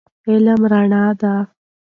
علم رڼا ده